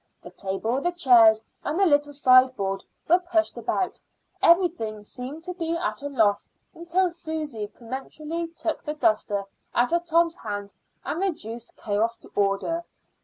The table, the chairs, and the little sideboard were pushed about; everything seemed to be at a loss until Susy peremptorily took the duster out of Tom's hand and reduced chaos to order.